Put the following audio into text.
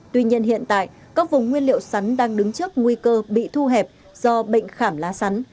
tuy nhiên hiện tại các vùng nguyên liệu sắn đang đứng trước nguy cơ bị thu hẹp do bệnh khảm lá sắn